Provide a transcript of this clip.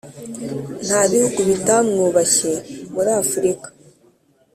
nta bihugu bitamwubashye muri afurika.